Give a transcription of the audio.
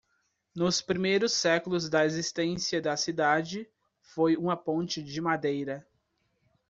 Nos primeiros séculos da existência da cidade, foi uma ponte de madeira.